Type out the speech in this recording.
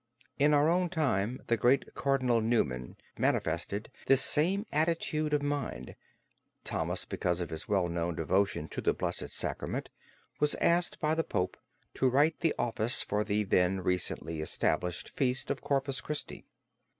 In our own time the great Cardinal Newman manifested this same attitude of mind. Thomas because of his well known devotion to the Blessed Sacrament, was asked by the Pope to write the office for the then recently established feast of Corpus Christi.